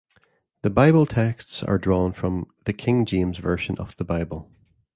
The Bible texts are drawn from the King James Version of the Bible.